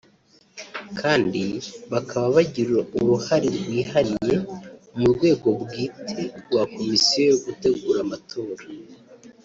kandi bakaba bagira uruhari rwihariye mu rwego bwite rwa Komisiyo yo gutegura amatora